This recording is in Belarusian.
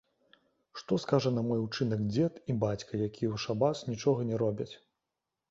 Што скажа на мой учынак дзед і бацька, якія ў шабас нічога не робяць?